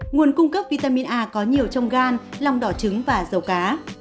nguồn cung cấp vitamin a có nhiều trong gan lỏng đỏ trứng và dầu cá